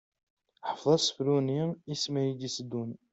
Ḥfeḍ asefru-nni i ssmanan i d-iteddun.